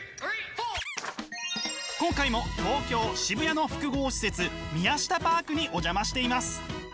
今回も東京・渋谷の複合施設ミヤシタパークにお邪魔しています。